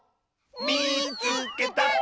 「みいつけた！」。